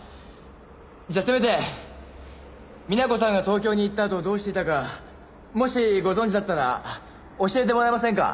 じゃあせめて皆子さんが東京に行ったあとどうしていたかもしご存じだったら教えてもらえませんか？